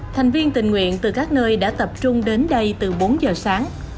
thành viên tình nguyện từ các nơi đã tập trung đến đây từ bốn giờ sáng